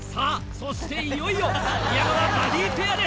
そしていよいよ宮川バディペアです。